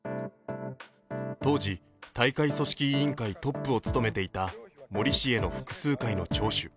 当時、大会組織委員会トップを務めていた森氏への複数回の聴取。